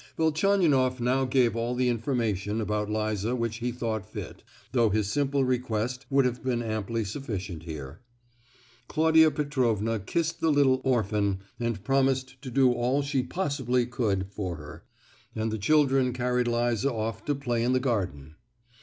Velchaninoff now gave all the information about Liza which he thought fit, though his simple request would have been amply sufficient here. Claudia Petrovna kissed the little "orphan," and promised to do all she possibly could for her; and the children carried Liza off to play in the garden.